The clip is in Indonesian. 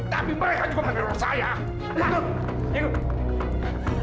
tapi mereka juga panggil orang saya